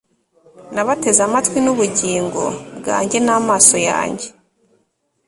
nabateze amatwi n'ubugingo bwanjye n'amaso yanjye